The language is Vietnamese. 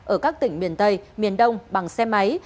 ở các tỉnh miền tây miền đông bằng xe máy